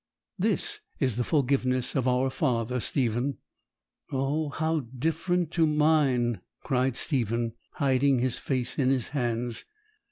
This is the forgiveness of our Father, Stephen.' 'Oh, how different to mine!' cried Stephen, hiding his face in his hands.